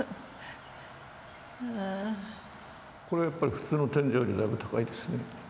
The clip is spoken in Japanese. これはやっぱり普通の天井よりだいぶ高いですね。